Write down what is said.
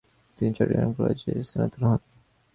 তিনি চট্টগ্রাম কলেজে স্থানান্তরিত হন।